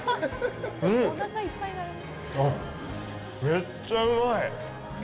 めっちゃうまい！